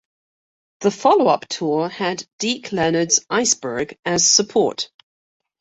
The follow-up tour had Deke Leonard's 'Iceberg' as support.